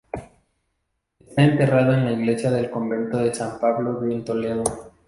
Está enterrado en la iglesia del convento de San Pablo en Toledo.